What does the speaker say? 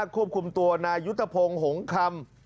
ควบคุมตัวนายุทธพงศ์หงคำ